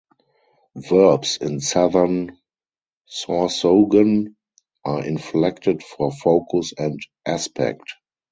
Verbs in Southern Sorsogon are inflected for focus and aspect.